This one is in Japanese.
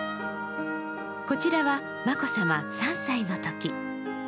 こちらは眞子さま３歳のとき。